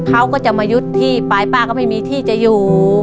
เขาก็จะมายึดที่ปลายป้าก็ไม่มีที่จะอยู่